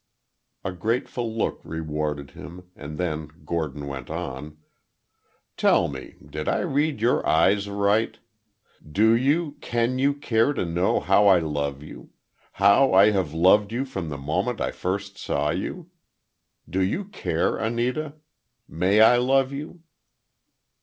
A grateful look rewarded him, and then Gordon went on: "Tell me, did I read your eyes aright? Do you, can you care to know how I love you? How I have loved you from the moment I first saw you. Do you care, Anita? May I love you?"